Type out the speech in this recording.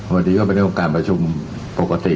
วันนี้ก็เป็นเรื่องของการประชุมปกติ